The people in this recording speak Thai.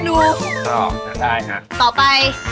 อู้ต่อไป